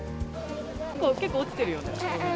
結構落ちてるよ。